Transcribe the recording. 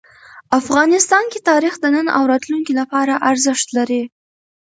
افغانستان کې تاریخ د نن او راتلونکي لپاره ارزښت لري.